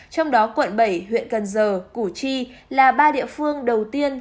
trong đó quận bảy huyện cần giờ củ chi là ba địa phương đầu tiên